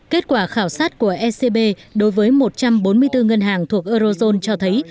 kết quả khảo sát của ecb đối với một trăm bốn mươi bốn ngân hàng thuộc eurozone cho thấy